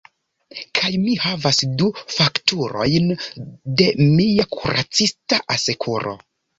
Kaj mi havas du fakturojn de mia kuracista asekuro.